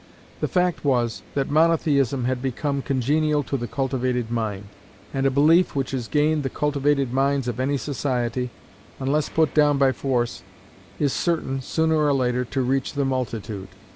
The fact was, that Monotheism had become congenial to the cultivated mind: and a belief which has gained the cultivated minds of any society, unless put down by force, is certain, sooner or later, to reach the multitude.